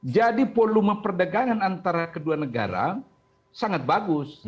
jadi volume perdagangan antara kedua negara sangat bagus